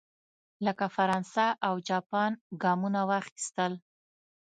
لکه فرانسه او جاپان ګامونه واخیستل.